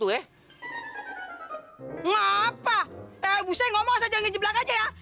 eh bu saya ngomong aja jangan ngejeblak aja ya